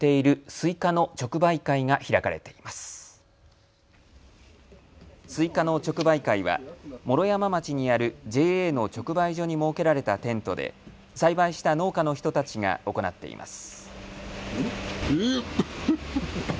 スイカの直売会は毛呂山町にあるＪＡの直売所に設けられたテントで栽培した農家の人たちが行っています。